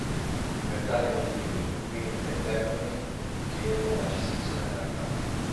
Per tali motivi, Wind e Peppermint chiesero la cessazione della causa.